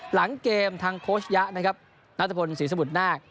หลังเกมทางโค้ชยะนะครับนัทพลศรีสมุทรนาค